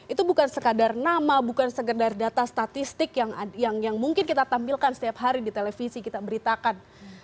itu bukan sekadar nama bukan sekadar data statistik yang mungkin kita tampilkan setiap hari di televisi kita beritakan